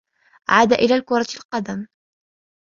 عاد إلى كرة القدم.